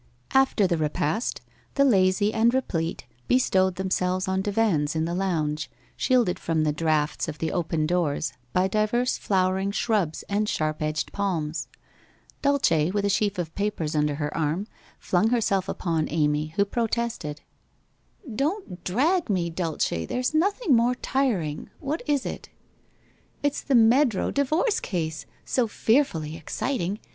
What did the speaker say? After the repast, the lazy and replete bestowed them selves on divans in the lounge, shielded from the draughts of the open doors by divers flowering shrubs and sharp edged palms. Dulce, with a sheaf of papers under her arm, flung herself upon Amy, who protested : 16 WHITE ROSE OF WEARY LEAF 17 ' Don't " drag " me, Dulce, there is nothing more tiring. What is it ?'* It's the Meadrow divorce case ! So fearfully exciting